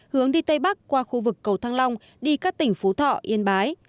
hướng đi tây bắc qua khu vực cầu thăng long đi các tỉnh phú thọ yên bái